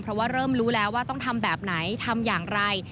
เพราะว่าเริ่มรู้แล้วว่าต้องทำแบบไหนทำอย่างไร